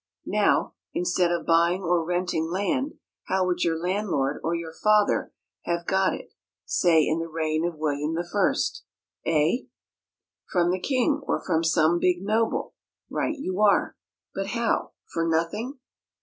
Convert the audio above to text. Now, instead of buying or renting land, how would your landlord or your father have got it, say in the reign of William I, A?" "From the king or from some big noble." "Right you are but how, for nothing?"